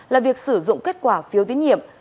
là việc sử dụng kết quả phiêu tiến nhiệm